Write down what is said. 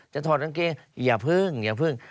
ถอดกางเกงอย่าพึ่งอย่าพึ่ง